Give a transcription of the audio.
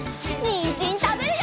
にんじんたべるよ！